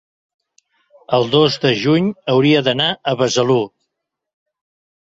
el dos de juny hauria d'anar a Besalú.